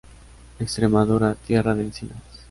Extremadura, tierra de encinas.